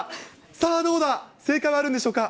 さあどうだ、正解はあるんでしょうか。